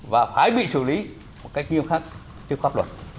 và phải bị xử lý một cách nghiêm khắc trước pháp luật